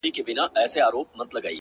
o زړه راته زخم کړه، زارۍ کومه،